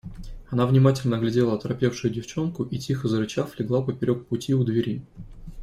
Она внимательно оглядела оторопевшую девчонку и, тихо зарычав, легла поперек пути у двери.